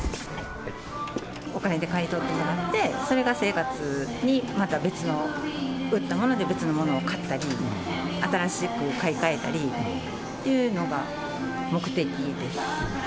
お金で買い取ってもらって、それが生活に、また別の売ったもので別のものを買ったり、新しく買い替えたりっていうのが目的です。